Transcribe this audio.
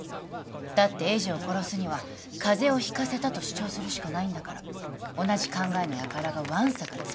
だって栄治を殺すには風邪をひかせたと主張するしかないんだから同じ考えのやからがわんさか詰め掛ける